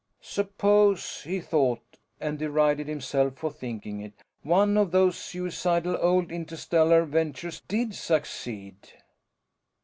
Suppose, he thought and derided himself for thinking it one of those suicidal old interstellar ventures did succeed?